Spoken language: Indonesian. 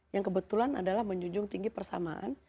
yang kebetulan adalah menjunjung tinggi persamaan